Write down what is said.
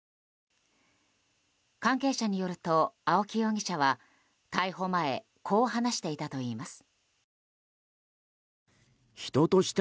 関係者によると青木容疑者は逮捕前こう話していたといいます。